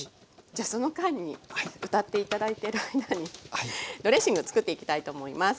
じゃあその間に歌って頂いてる間にドレッシング作っていきたいと思います。